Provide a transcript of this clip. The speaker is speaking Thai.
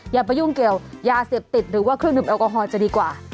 อย่าไปยุ่งเกี่ยวยาเสพติดหรือว่าเครื่องดื่มแอลกอฮอล์จะดีกว่า